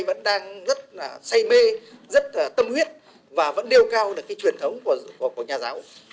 vẫn đang rất là say mê rất là tâm huyết và vẫn đeo cao được cái truyền thống của nhà giáo